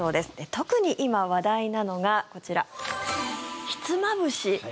特に今、話題なのがこちら、ひつまぶし。